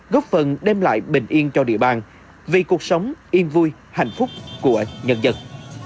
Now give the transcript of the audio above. góp phần đem lại bình yên cho địa bàn vì cuộc sống yên vui hạnh phúc của nhân dân